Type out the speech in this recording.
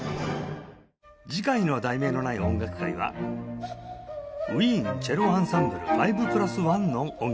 次回の『題名のない音楽会』は「ウィーンチェロ・アンサンブル ５＋１ の音楽会」